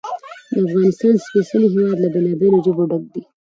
د افغانستان سپېڅلی هېواد له بېلابېلو ژبو ډک دی.